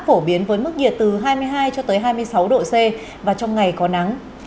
phổ biến với mức nhiệt từ hai mươi hai cho tới hai mươi sáu độ c và trong ngày có nắng